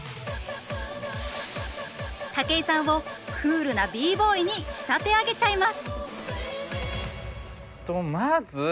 武井さんをクールなＢ−Ｂｏｙに仕立て上げちゃいます！